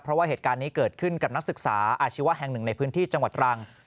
เพราะว่าเหตุการณ์นี้เกิดขึ้นกับนักศึกษาอาชีวะแห่งหนึ่งในพื้นที่จังหวัดตรัง